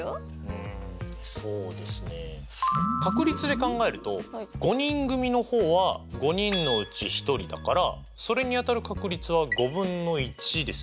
確率で考えると５人組の方は５人のうち１人だからそれに当たる確率は５分の１ですよね。